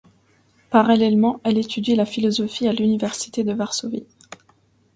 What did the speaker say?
Parallèlement, elle étudie la philosophie à l'Université de Varsovie.